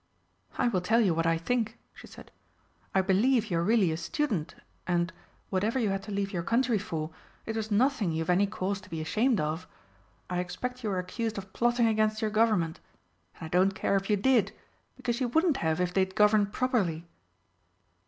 "I will tell you what I think," she said. "I believe you are really a student, and, whatever you had to leave your country for, it was nothing you've any cause to be ashamed of. I expect you were accused of plotting against your Government and I don't care if you did, because you wouldn't have if they'd governed properly.